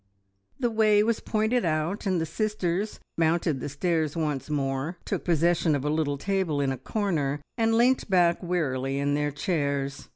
The way was pointed out, and the sisters mounted the stairs once more, took possession of a little table in a corner, and leant back wearily in their chairs.